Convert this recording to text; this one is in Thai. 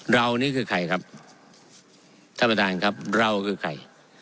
นี่คือใครครับท่านประธานครับเราคือใคร